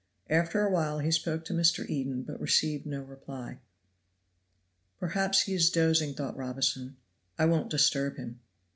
After a while he spoke to Mr. Eden but received no reply. "Perhaps he is dozing," thought Robinson. "I won't disturb him."